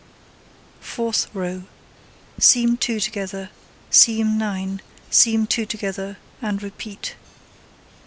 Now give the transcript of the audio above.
Fourth row: Seam 2 together, seam 9, seam 2 together, and repeat.